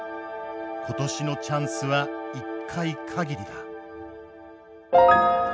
今年のチャンスは一回かぎりだ。